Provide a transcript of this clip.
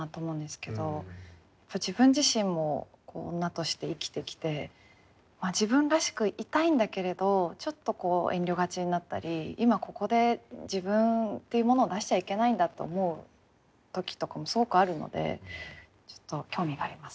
自分自身も女として生きてきて自分らしくいたいんだけれどちょっと遠慮がちになったり今ここで自分っていうものを出しちゃいけないんだと思う時とかもすごくあるのでちょっと興味があります。